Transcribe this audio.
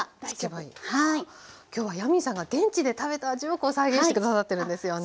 今日はヤミーさんが現地で食べた味をこう再現して下さってるんですよね？